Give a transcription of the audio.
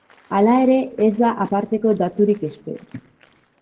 Hala ere, ez da aparteko daturik espero.